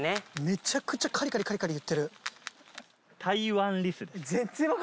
めちゃくちゃカリカリカリカリ。